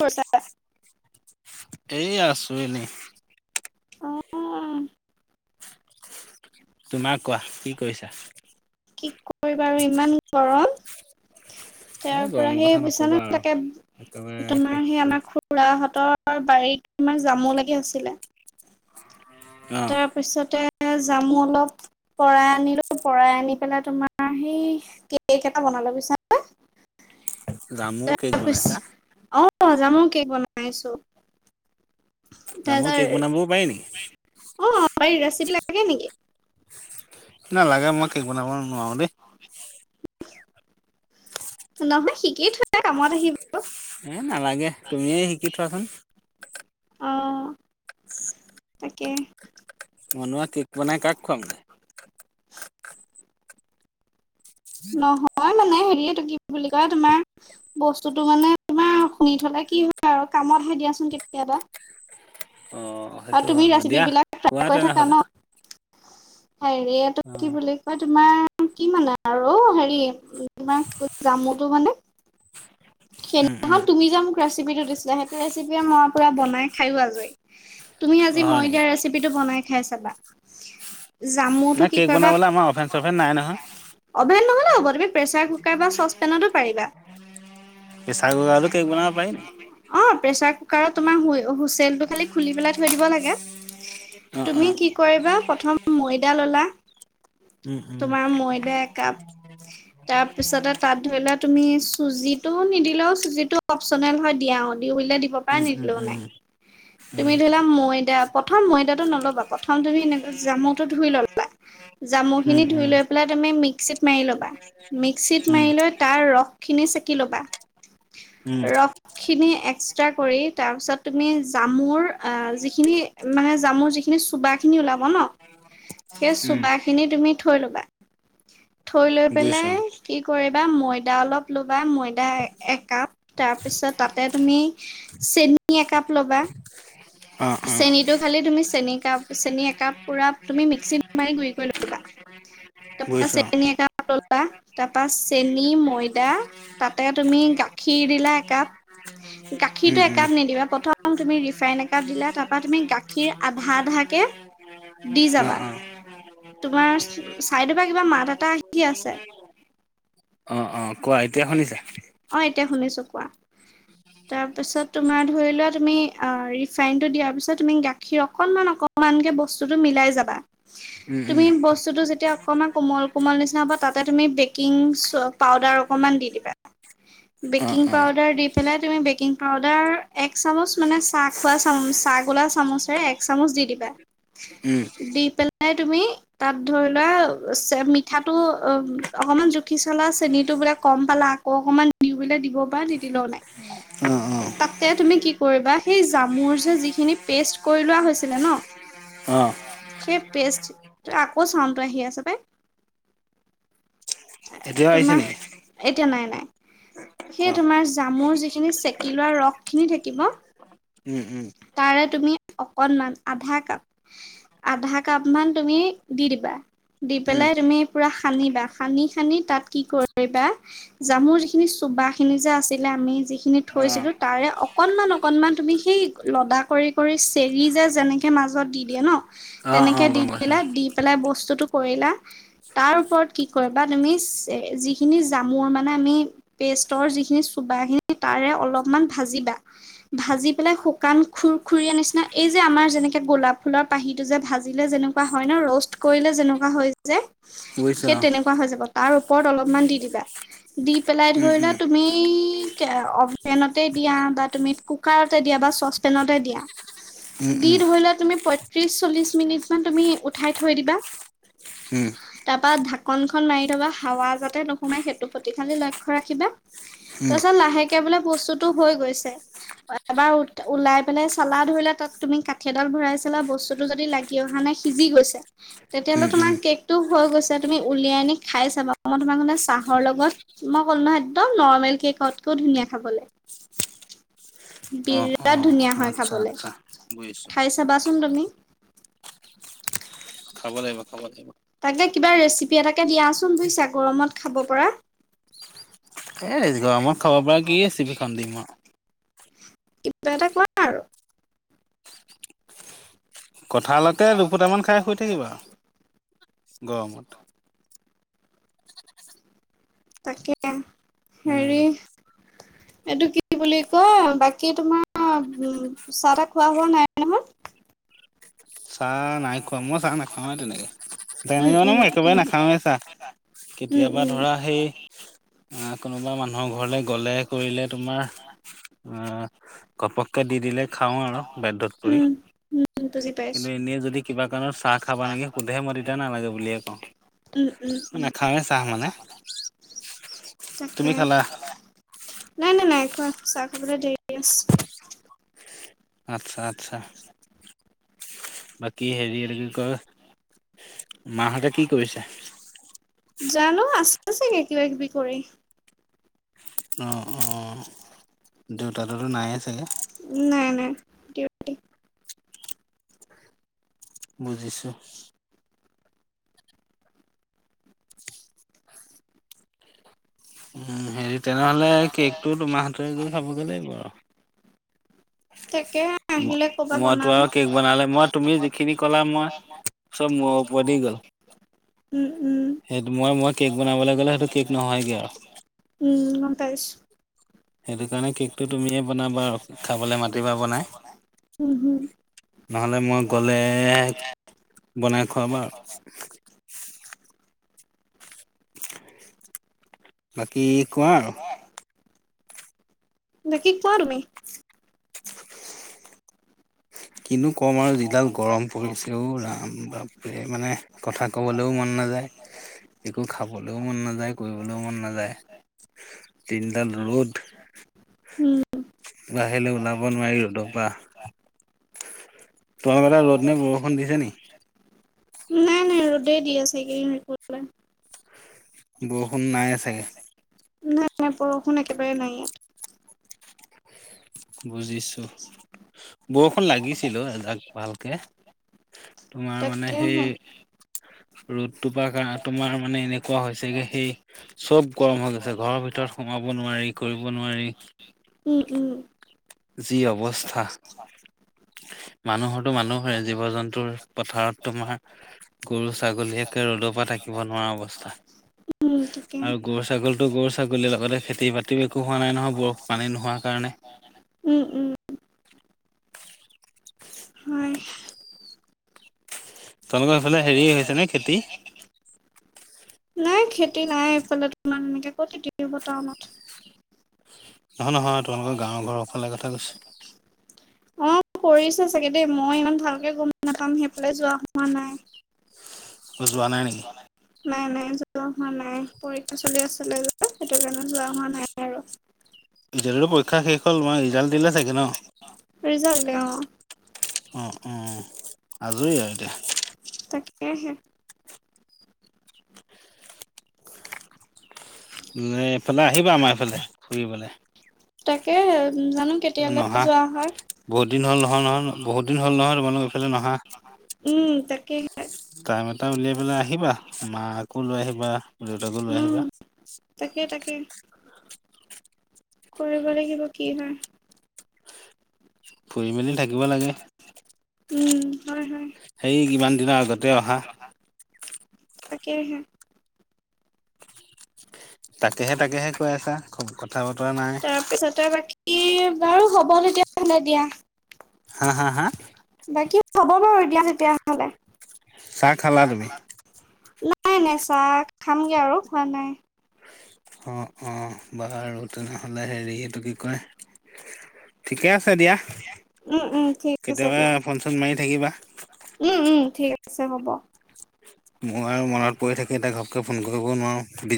কৰিছা? [inaudible] এই আছোঁ এনেই অঁ অঁ' তোমাৰ কোৱা, কি কৰিছা? কি কৰিবা আৰু ইমান গৰম। এ তাৰ পৰা গৰমৰ কথা সেই বুজাছে নকবা ন আৰু তাকে একেবাৰে তোমাৰ শেষ সেই আমাৰ কৰিছে খু- খুৰাহঁতৰ বাৰীত ইমান জামু লাগি আছিলে। অঁ' তাৰপিছতে যামো অলপ- পৰাই আনিলোঁ পৰাই আনি পেলাই তোমাৰ সেই কেক এটা বনালোঁ বুজিছানে। জামু কেক বনাইছা তাৰপিছতে, অঁ জামোৰ কেক বনাইছোঁ। জামু তাজাৰ কেক বনাবও পাৰি নেকি অঁ পাৰি ৰেচিপি লাগে নেকি? নালাগে মই কেক বনাব নোৱাৰোঁ দেই। নহয় শিকি থলে কামত আহিব। এ নালাগে, তুমিয়েই সিকি থোৱাচোন। অঁ তাকে। ম‌ইনো আৰু কেক বনাই কাক খোৱামগে? [inaudible] নহয় মানে হেৰিয়েটো কি বুলি কয়? তোমাৰ- বস্তুতোটো মানে তোমাৰ শুনি থলে কি হয় আৰু কামত আহে দিয়াচোন কেতিয়াবা। অ আৰু সেইটো তুমি হয় বাৰু ৰেচিপি দিয়া বিলাক কোৱা ট্ৰাই কৰি থাকা তেনেহ'লে ন। হেৰিয়েটো অ কি বুলি কয় তোমাৰ কি মানে? আৰু হেৰি তোমাৰ কোল জামুতো মানে- উম উম নহয় তুমি যে মোক ৰেচিপি টো দিছিলা সেইটো ৰেচিপিয়ে মই পুৰা বনাই খাইওঁ আজৰি। তুমি অ আজি হয় মই নেকি দিয়া ৰেচিপিটো বনাই খাই চাবা। জামুটো নাই কি কেক কয়বা? বনাবলৈ আমাৰ অভেন চভেন নাই নহয় অভেন নহলেও হ'ব, তুমি প্ৰেচাৰ কুকাৰ বা চচপেনতো পাৰিবা। [unintelligible] প্ৰেছাৰ কুকাৰতো কেক বনাব পাৰি নি অঁ প্ৰেচাৰ কুকাৰত তোমাৰ হুই হুইচেলটো খালি খুলি পেলাই- থৈ দিব লাগে, অ অ তুমি কি কৰিবা প্ৰথম ময়দা ললা- উম উম তোমাৰ ময়দা একাপ, তাৰপিছতে- তাত ধৰি লোৱা তুমি চুজিটো নিদিলেওঁ চুজিটো অপচনেল হয় দিয়াওঁ দিওঁ বুলিলে দি- ব পাৰা উম নিদিলেওঁ উম নাই। উম তুমি ধৰি‌ লোলা ময়দা প্ৰথম ময়দাটো নলবা, প্ৰথম তুমি এনেকুৱা জামুটো ধুই লবা। জামু উম উম খিনি ধুই লৈ পেলাই- তুমি মিক্সিত মাৰি ল'বা, মিক্সিত উম উম মাৰি লৈ তাৰ ৰস খিনি চেকি ল'বা। উম ৰস খিনি এক্সট্ৰা কৰি তাৰপিছত তুমি, - জামুৰ অ যিখিনি মানে জামুৰ যিখিনি চুবা খিনি ওলাব ন- সেই উম চোবাখিনি তুমি থৈ ল'বা, থৈ লৈ বুজিছো পেলাই- কি কৰিবা ময়দা অলপ ল'বা ময়দা একাপ তাৰপিছত তাতে তুমি, - চেনি একাপ লবা। অ', অ', চেনিটো খালি তুমি চেনি কাপ চেনি একাপ পুৰা তুমি মিক্সিত মাৰি গুৰি কৰি ল- বা তাপা বুজিছো অ', চেনী একাপ লবা তাপা চেনী ময়দা- তাতে তুমি গাখীৰ দিলা একাপ- গাখীৰটো উম, উম, একাপ নিদিবা, প্ৰথম তুমি ৰিফাইন এ- কাপ দিলা, তাপা তুমি গাখীৰ আধা আধাকে দি যাবা। অ', অ', তোমাৰ চাইদৰ পা কিবা মাত এটা আহি আছে। অ' অ' কোৱা এতিয়া শুনিছা? অ' এতিয়া শুনিছোঁ কোৱা, তাৰপিছত তোমাৰ ধৰি লোৱা তুমি অ' ৰিফাইনটো দিয়াৰ পিছত তুমি গাখীৰ অকণমান, অকণমানকে বস্তুটো মিলাই যাবা। উম, তুমি উম, বস্তু বস্তুটো যেতিয়া অকণমান কোমল, কোমল নিচিনা হ'ব তাতে, তুমি বেকিং পাউদাৰ অকণমান দি দিবা। অ', বেকিং অ', পাউদাৰ দি পেলাই তুমি, বেকিং পাউদাৰ এক চামুচ মানে চাহ খোৱা চামু, চাহ গোলা চামুচেৰে এক চামুচ দি দিবা। [inaudible] দি পেলাই তুমি? তাত ধৰি লোৱা, চেপ মিঠাটো অ' অকণমান জুখি চালা, চেনিটো বোলে কম পালা? আকৌ অকমান দিওঁ বোলে দিব পাৰা নিদিলেও নাই। অ', অ'। তাতে তুমি কি কৰিবা, সেই জামুৰ যে যিখিনি পেষ্ট কৰি লোৱা হৈছিলে নহ? [inaudible] অ' সেই পেষ্ট আকৌ চাউনটো আহি আছে বে। এতিয়াও আহিছে তোমাৰ নেকি? এতিয়া নাই, নাই। সেই কোৱা তোমাৰ জামুৰ যিখিনি চেকি লোৱা ৰসখিনি থাকিব উম', উম'। তাৰে তুমি অকনমান আধা কাপ আধা কাপ মান তুমি দি দিবা, দি উম, পেলাই তুমি পুৰা সানিবা। সানি, সানি তাত কি কৰিবা? জামুৰ যিখিনি চোবা খিনি যে আছিলে, আমি যিখিনি অ', থৈছিলোঁ, তাৰে অকনমান, অকনমান তুমি সেই লডা কৰি, কৰি চেৰি যে যেনেকে মাজত দি দিয়ে ন অ', তেনেকে অ', দি গম পাইছো দিলে, অ', দি পেলাই বস্তুটো কৰিলা, তাৰ ওপৰত কি কৰিবা তুমি, যিখিনি জামুৰ মানে আমি পেষ্টৰ যিখিনি চোবা খিনি তাৰে অলপমান ভাজিবা ভাজি পেলাই শুকান খুৰ-খুৰিয়া নিচিনা, এই যে আমাৰ যেনেকে গোলাপ ফুলৰ পাহিটো যে ভাজিলে যেনেকে হয় ন ৰষ্ট কৰিলে যেনেকুৱা হয় যে। বুজিছো সেই অ', তেনেকুৱা হৈ যাব, তাৰ ওপৰত অলপমান দি দিবা, দি পেলাই উম, ধৰি লোৱা উম, তুমি অ'ভেনতে দিয়া বা তুমি কুকাৰতে দিয়া বা ছচপেনতে দিয়া। উম, দি উম, ধৰি লোৱা তুমি পয়ত্ৰিশ, চল্লিশ মিনিট মান তুমি উঠাই থৈ দিবা। উম, বা ঢাকন খন মাৰি থবা, হাৱা যাতে নোসোমাই, সেইটো প্ৰতি খালি লক্ষ্য ৰাখিবা। উম, তাৰ পিছত লাহেকে বোলে বস্তুতো হৈ গৈছে। এবাৰ ওলাই পেলাই চালা ধৰিলা, তাত তুমি কাঠিডাল ভৰাই চালা বস্তুতো যদি লাগি উঠি অহা নাই, সিজি গৈছে, তেতিয়াহ'লে উম, উম, তোমাৰ কেকটো হৈ গৈছে। তেনেকে তুমি উলিয়াই আনি খাই চাবা, মই তোমাক মানে চাহৰ লগত মই ক'লো নহয় একদম নৰ্মেল কেকত কৈও ধুনীয়া খাবলৈ। [unintelligible] বিৰাট ধুনীয়া হয় খাবলৈ। গৈছো। খাই ছাবচোন তুমি। খাব লাগিব, খাব লাগিব। তাকে কিবা ৰেচিপি এটাকে দিয়াচোন বুজিছা, গৰমত খাব পৰা। এই গৰমত খাব পৰা কি ৰেচিপিখন দিম আৰু। কিবা এটা কোৱা? আৰু কঁঠালকে দুফুটামান খাই শুই থাকিবা আৰু গৰমত। তাকে উম, হেৰি এইটো কি বুলি কয় বাকী তোমাৰ অ উ চাহ-তাহ খোৱা হোৱা নাই নহয়? চাহ নাই খোৱা, মই চাহ নাখাওঁৱেই তেনেকে, উম তেনেকে মানে উম মই একেবাৰে নাখাওঁৱেই চাহ। উম কেতিয়াবা ধৰা উম সেই আ কোনোবা মানুহৰ ঘৰলে গ'লে কৰিলে তোমাৰ উম ঘপকে দি দিলে খাওঁ আৰু বাধ্যত পৰি। উম [inaudible] কিন্তু এনেই যদি কিবা কাৰণত চাহ খাবা নেকি সোধে মই তেতিয়া নালাগে বুলিয়ে কওঁ। উম, উম, উম, নাখাওঁয়ে চাহ মানে তাকে, তুমি খালা? নাই নাই নাই কোৱা চাহ খাবলৈ দেৰি আছে। আচ্ছা আচ্ছা বা কি হেৰি এইটো কি কয়, মাহঁতে কি কৰিছে? জানো আছে চাগে কিবা কিবি কৰি। অ অ দেউতাটো নাইয়ে চাগে? নাই নাই। ডিউটি বুজিছোঁ। উম হেৰি তেনেহ'লে কেকটো তোমাৰ হাতৰে গৈ খাবগে লাগিব আৰু। তাকে আহিলে ক'বা মইতো বনাম। আৰু কেক বনালে মই তুমি যিখিনি কলা মই চব মূৰৰ ওপৰেদি গ'ল। উম উম। সেইটো মই মই কেক বনাবলে গ'লে সেইটো কেক নহয়গে আৰু। উম গম পাইছোঁ। সেইটো কাৰণে কেকটো তুমিয়ে বনাবা আৰু খাবলে মাতিবা বনাই। উম, হুম, নহ'লে মই গ'লে বনাই খোৱাবা আৰু। বাকী কোৱা আৰু। বাকী কোৱা তুমি। কিনো কম আৰু যিডাল গৰম পৰিছে ও ৰাম বাপ এই মানে কথা ক'বলৈও মন নাযায় একো খাবলৈও মন নাযায়, কৰিবলৈও মন নাযায়, দিনডাল ৰ'দ উম, বাহিৰলৈ ওলাব নোৱাৰি ৰ'দ পা তোমালোকৰ ফালে ৰ'দ নে বৰষুণ দিছে নি? নাই নাই ৰ'দে দি আছে এইকেইদিন [unintelligible] বৰষুণ নাইয়ে চাগে? নাই নাই বৰষুণ একেবাৰে নাই ইয়াত। বুজিছো। বৰষুণ লাগিছিল অ'এজাক ভালকে। তোমাৰ মানে তাকেহে। সেই ৰ'দটোপা কাৰ তোমাৰ মানে এনেকুৱা হৈছেগে সেই চব গৰম হৈ গৈছে, ঘৰৰ ভিতৰত সোমাব নোৱাৰি, কৰিব নোৱাৰি, উম উম যি অৱস্থা। মানুহৰটো মানুহৰে জীৱ-জন্তুৰ পথাৰত তোমাৰ গৰু-ছাগলী একে ৰ'দৰ পৰা থাকিব নোৱাৰা অৱস্থা। উম তাক আৰু গৰু ছাগলীটো গৰু ছাগলী লগতে খেতি বাতিও একো হোৱা নাই নহয় বৰ পানী নোহোৱা কাৰণে। উম উম। হয়। তেওঁলোকৰ সেইফালে হেৰি হৈছে নে খেতি? নাই খেতি নাই এইফালে তোমাৰ এনেকে কত খেতি হব টাউনত। নহয় নহয় তোমালোকৰ গাঁৱৰ ঘৰৰ ফালে কথা কৈছো। অ কৰিছে চাগে দেই, মই ইমান ভালকে গম নাপাম সেইফালে যোৱা হোৱা নাই। অ যোৱা নাই নেকি? নাই নাই যোৱা হোৱা নাই পৰীক্ষা চলি আছিলে যে। সেইটো কাৰণে যোৱা হোৱা নাই আৰু। এতিয়াটো টো পৰীক্ষা শেষ হ'ল তোমাৰ ৰিজাল্ট দিলে চাগে ন? ৰিজাল্ট দিলে অ' অঁ অঁ আজৰি আও এতিয়া। তাকেহে। নে এইফালে আহিবা আমাৰ এইফালে ফুৰিবলে? তাকেহে জানো কেতিয়ালে নহা যোৱা হয়। বহুত দিন হ'ল নহয় নহয় বহুত দিন হ'ল নহয় তোমালোক এইফালে নহা। উম তাকেহে টাইম এটা উলিয়াই পেলাই আহিবা, মাকো লৈ আহিবা দেউতাকো লৈ উম আহিবা। তাকে তাকে। কৰিব লাগিব কি হয়। ফুৰি মেলি থাকিব লাগে। উম হয় হয়। সেই কিমান দিনৰ আগতে অহা। তাকেহে। তাকেহে তাকেহে কৈ আছা খুব, কথা বতৰা নাই। পিছতে বাকী বাৰু হ'ব তেতিয়াহলে দিয়া। হা হা হা? বাকী হব বাৰু এতিয়া তেতিয়াহলে। চাহ খালা তুমি নাই নাই চাহ খামগে আৰু খোৱা নাই। অ অ বাৰু তেনেহলে হেৰি এইটো কি কয় ঠিকে আছে আছে দিয়া, উম উম ঠিক আছে কেতিয়াবা দিয়া। ফোন চন মাৰি থাকিবা। উম উম ঠিক আছে হ'ব। মোৰ আৰু মনত পৰি থাকে এতিয়া ঘপকে ফোন কৰিব নোৱাৰো, বি